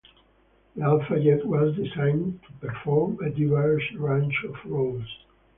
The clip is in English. The Alpha Jet was designed to perform a diverse range of roles.